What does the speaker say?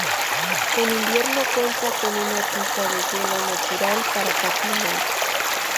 En invierno cuenta con una pista de hielo natural para patinar.